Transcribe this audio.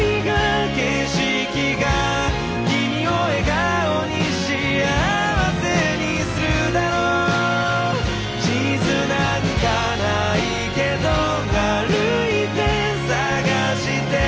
「君を笑顔に幸せにするだろう」「地図なんかないけど歩いて探して」